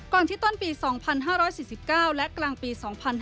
กว่าที่ตอนปี๒๕๔๙ละกลางปี๒๕๕๑